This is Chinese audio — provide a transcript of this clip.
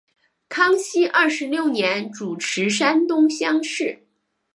康熙二十六年主持山东乡试。